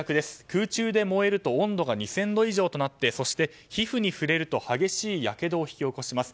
空中で燃えると温度が２０００度以上となってそして皮膚に触れると激しいやけどを引き起こします。